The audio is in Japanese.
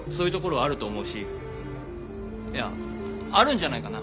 いやあるんじゃないかな。